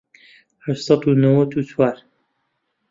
هەشت سەد و نەوەت و چوار